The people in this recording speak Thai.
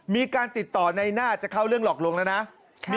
มีการติดต่อในหน้าจะเข้าเรื่องหลอกลวงแล้วนะ